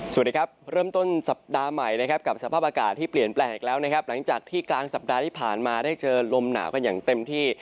สวัสดีครับเริ่มต้นสัปดาห์ใหม่นะครับกับสภาพอากาศที่เปลี่ยนแปลกแล้วนะครับหลังจากที่กลางสัปดาห์ที่ผ่านมาได้เจอลมหนาวกันอย่างเต็มที่